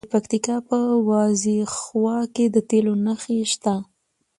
د پکتیکا په وازیخوا کې د تیلو نښې شته.